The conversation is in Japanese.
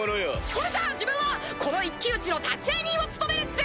それじゃあ自分はこの一騎打ちの立会人を務めるっす！